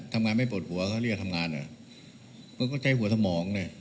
ทำงานไม่ปวดหัวเขาเรียกทำงานอ่ะมันก็ใช้หัวสมองเนี่ย